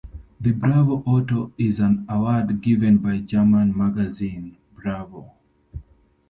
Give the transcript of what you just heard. The Bravo Otto is an award given by German magazine "Bravo".